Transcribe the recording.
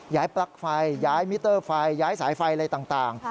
ปลั๊กไฟย้ายมิเตอร์ไฟย้ายสายไฟอะไรต่าง